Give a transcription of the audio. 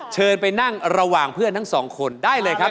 เชิญไปนั่งระหว่างเพื่อนทั้งสองคนได้เลยครับ